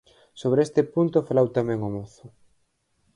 Sobre este punto falou tamén o mozo.